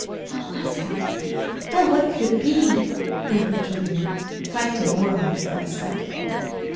"What was it? Oh, what could it be?" whimpered Julia, quite demoralized by the spectacle.